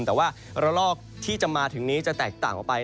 แต่ว่าระลอกที่จะมาถึงนี้จะแตกต่างออกไป